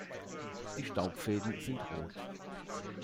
Die Staubfäden sind rot.